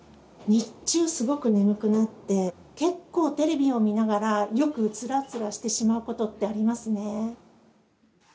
日中すごく眠くなって結構テレビを見ながらよくうつらうつらしてしまうことってありますね。